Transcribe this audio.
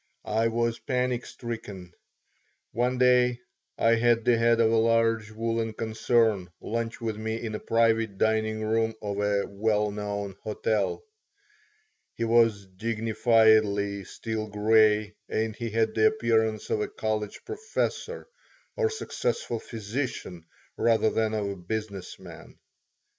I was panic stricken. One day I had the head of a large woolen concern lunch with me in a private dining room of a well known hotel. He was dignifiedly steel gray and he had the appearance of a college professor or successful physician rather than of a business man.